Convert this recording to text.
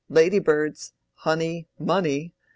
—lady birds—honey money.